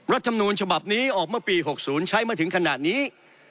รัฐมนูลฉบับนี้ออกเมื่อปี๖๐ใช้มาถึงขนาดนี้